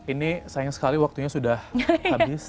ini sayang sekali waktunya sudah habis